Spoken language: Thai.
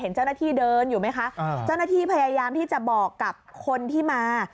เจ้าหน้าที่เดินอยู่ไหมคะเจ้าหน้าที่พยายามที่จะบอกกับคนที่มา